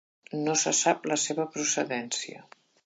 No se sap la seva procedència.